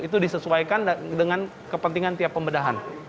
itu disesuaikan dengan kepentingan tiap pembedahan